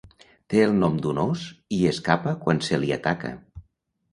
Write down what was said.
Té el nom d'un ós i escapa quan se li ataca.